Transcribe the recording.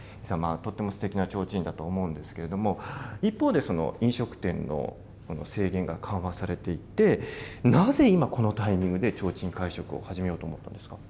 とってもすてきなちょうちんだと思うんですけれども、一方で、飲食店の制限が緩和されていって、なぜ今、このタイミングで、ちょうちん会食を始めようと思ったん